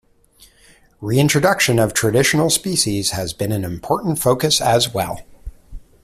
Reintroduction of traditional species has been an important focus as well.